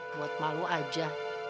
buat malu aja